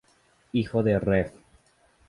Hijo de Rev.